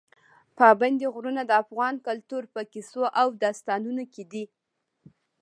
پابندي غرونه د افغان کلتور په کیسو او داستانونو کې دي.